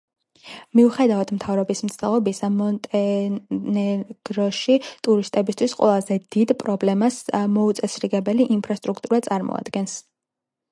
მიუხედავად მთავრობის მცდელობისა, მონტენეგროში ტურისტებისთვის ყველაზე დიდ პრობლემას მოუწესრიგებელი ინფრასტრუქტურა წარმოადგენს.